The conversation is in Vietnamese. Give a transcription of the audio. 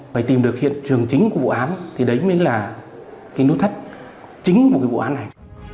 phải tìm được hiện trường chính của vụ án thì đấy mới là cái nút thắt chính của cái vụ án này